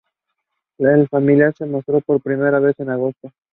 El familiar se mostró por primera vez en agosto.